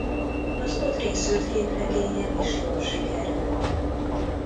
Az ott készült képregényem is jól sikerült.